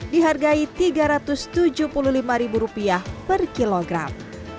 dihargai rp tiga ratus tujuh puluh lima per kilogram